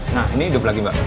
nah ini hidup lagi mbak